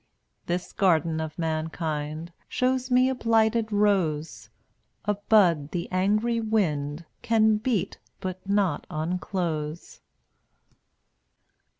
This garden of mankind Shows me a blighted rose, A bud the angry wind Can beat but not unclose.